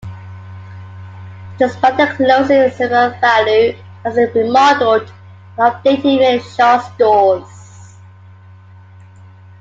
Despite the closings, SuperValu has remodeled and updated many Shaw's stores.